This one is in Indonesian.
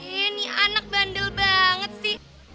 ini anak bandel banget sih